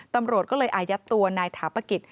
ตำรวจก็เลยอายัดตัวนายถาปกิจ